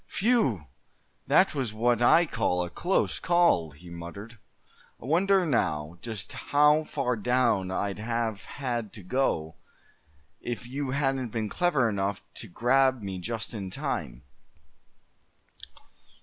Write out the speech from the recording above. "Whew! that was what I call a close call!" he muttered. "I wonder, now, just how far down I'd have had to go, if you hadn't been clever enough to grab me just in time?"